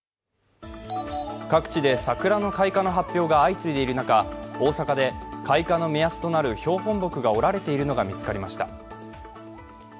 各地で桜の開花の発表が相次いでいる中大阪で開花の目安となる標本木が折られているのが見つかりました。